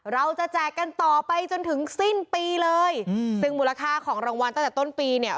แจกกันต่อไปจนถึงสิ้นปีเลยอืมซึ่งมูลค่าของรางวัลตั้งแต่ต้นปีเนี่ย